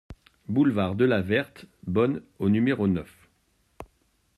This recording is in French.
Boulevard de la Verte Bonne au numéro neuf